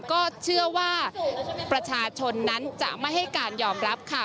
ก็เชื่อว่าประชาชนนั้นจะไม่ให้การยอมรับค่ะ